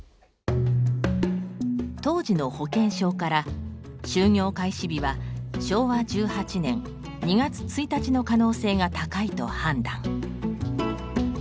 当時の保険証から就業開始日は昭和１８年２月１日の可能性が高いと判断。